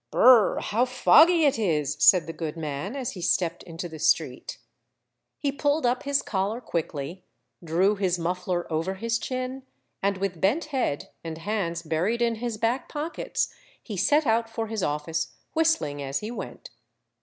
" Br R R ! how foggy it is !" said the good man, as he stepped into the street. He pulled up his collar quickly, drew his muffler over his chin, and with bent head, and hands buried in his back pockets, he set out for his office, whistling. as he went.